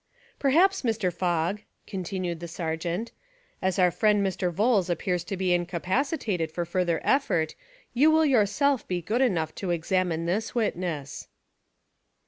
"Perhaps, Mr. Fogg," continued the Ser geant, "as our friend Mr. Vholes appears to be incapacitated for further effort, you will your self be good enough to examine this witness."